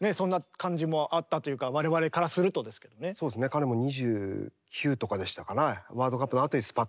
彼も２９とかでしたかね。